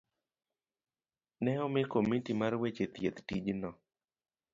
ne omi komiti mar weche thieth tijno.